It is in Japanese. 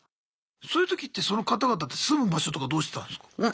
そういうときってその方々って住む場所とかどうしてたんすか？